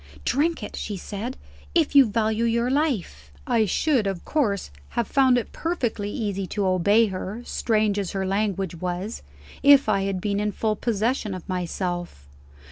"Drink it," she said, "if you value your life!" I should of course have found it perfectly easy to obey her, strange as her language was, if I had been in full possession of myself.